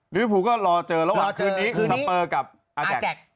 ลิฟฟูก็รอเจอระหว่างคืนนี้สเปอร์กับอาแจก